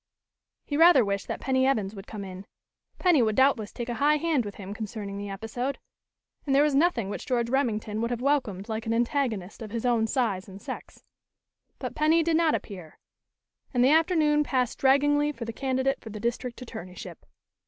He rather wished that Penny Evans would come in; Penny would doubtless take a high hand with him concerning the episode, and there was nothing which George Remington would have welcomed like an antagonist of his own size and sex. But Penny did not appear, and the afternoon passed draggingly for the candidate for the district attorneyship.